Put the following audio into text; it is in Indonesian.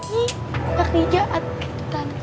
ih kerjaan kita